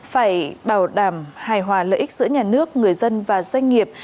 phải bảo đảm hài hòa lợi ích giữa nhà nước người dân và doanh nghiệp